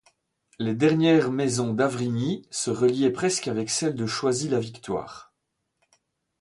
Les dernières maisons d'Avrigny se reliaient presque avec celles de Choisy-la-Victoire.